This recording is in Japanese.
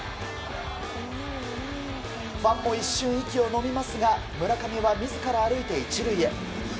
ファンも一瞬息をのみますが村上は自ら歩いて１塁へ。